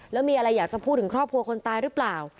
แล้วมีอะไรอยากจะพูดถึงครอบครัวคนตายหรือเปล่า